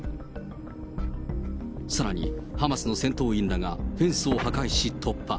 さらに、ハマスの戦闘員らがフェンスを破壊し、突破。